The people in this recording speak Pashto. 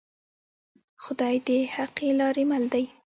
خدای د حقې لارې مل دی